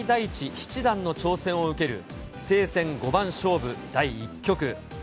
七段の挑戦を受ける棋聖戦五番勝負第１局。